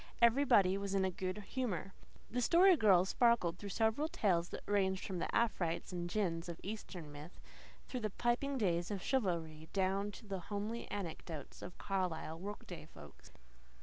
Everybody was in good humour. The Story Girl sparkled through several tales that ranged from the afrites and jinns of Eastern myth, through the piping days of chivalry, down to the homely anecdotes of Carlisle workaday folks.